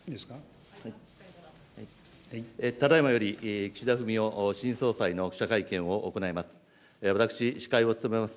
ただいまより、岸田文雄新総裁の記者会見を行います。